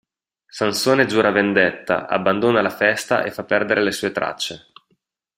Sansone giura vendetta, abbandona la festa e fa perdere le sue tracce.